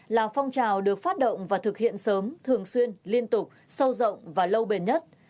là phong trào được phát động và thực hiện sớm thường xuyên liên tục sâu rộng và lâu bền nhất